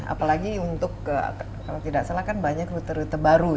apalagi untuk kalau tidak salah kan banyak rute rute baru